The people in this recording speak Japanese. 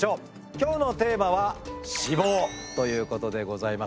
今日のテーマは「脂肪」ということでございます。